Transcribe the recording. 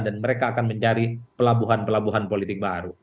dan mereka akan mencari pelabuhan pelabuhan politik baru